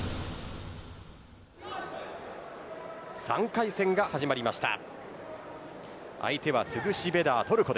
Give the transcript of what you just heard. ３回戦が始まりました。